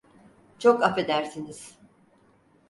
Çok affedersiniz.